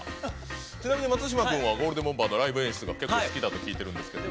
ちなみに松島君はゴールデンボンバーのライブ演出が結構好きだって聞いてるんですけど。